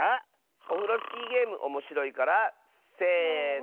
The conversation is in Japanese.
オフロスキーゲームおもしろいからせの。